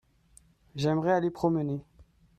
J'aimerais aller promener.